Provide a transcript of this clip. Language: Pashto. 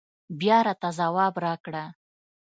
بيا راته ځواب راکړه